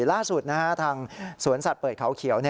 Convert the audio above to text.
ล่าสุดทางสวนสัตว์เปิดเขาเขียว